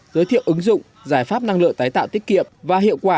giới thiệu ứng dụng giải pháp năng lượng tái tạo tiết kiệm và hiệu quả